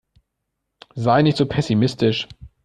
Sei nicht so pessimistisch.